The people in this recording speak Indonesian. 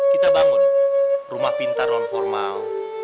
kita bangun rumah pintar non formal